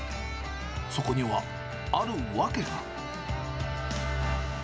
そこにはある訳が。